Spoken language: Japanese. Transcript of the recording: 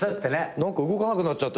何か動かなくなっちゃった。